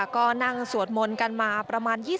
ก็นั่งสวดมนต์กันมาประมาณ๒๐